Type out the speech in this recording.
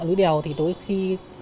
núi đèo thì đối với khi